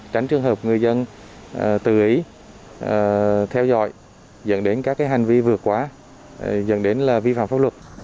tránh trường hợp người dân tự ý theo dõi dẫn đến các hành vi vượt quá dẫn đến là vi phạm pháp luật